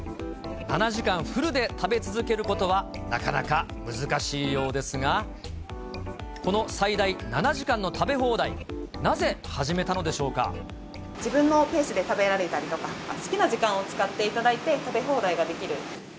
７時間フルで食べ続けることは、なかなか難しいようですが、この最大７時間の食べ放題、自分のペースで食べられたりとか、好きな時間を使っていただいて、食べ放題ができる。